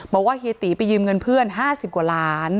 บอกว่าเฮียติไปยืมเงินเพื่อนห้าสิบกว่าล้าน